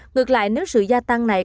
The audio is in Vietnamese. ngược lại nếu sự gia tăng này